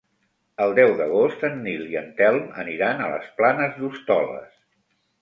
El deu d'agost en Nil i en Telm aniran a les Planes d'Hostoles.